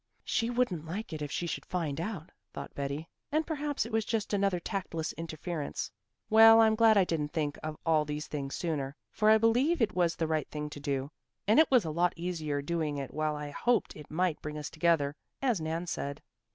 "She wouldn't like it if she should find out," thought Betty, "and perhaps it was just another tactless interference. Well, I'm glad I didn't think of all these things sooner, for I believe it was the right thing to do, and it was a lot easier doing it while I hoped it might bring us together, as Nan said.